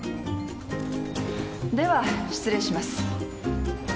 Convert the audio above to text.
では失礼します。